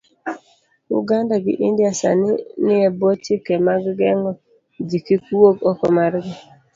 Uganda gi India sani ni ebwo chike mag geng'o jikik wuog oko margi,